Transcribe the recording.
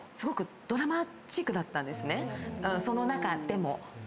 その中でも。